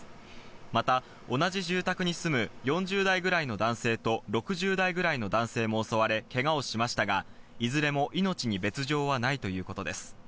また同じ住宅に住む４０代くらいの男性と６０代ぐらいの男性も襲われ、けがをしましたが、いずれも命に別条はないということです。